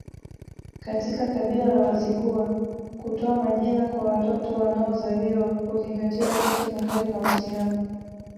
Katika kabila la Wazigua kutoa majina kwa watoto wanaozaliwa huzingatia wakati mahali na uhusiano